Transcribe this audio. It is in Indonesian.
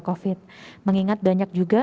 covid mengingat banyak juga